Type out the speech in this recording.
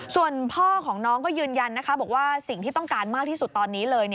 ส่วนพ่อของน้องก็ยืนยันนะคะบอกว่าสิ่งที่ต้องการมากที่สุดตอนนี้เลย